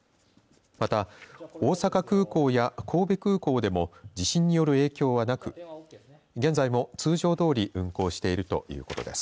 また、大阪空港や、神戸空港でも地震による影響はなく現在も、通常どおり運航しているということです。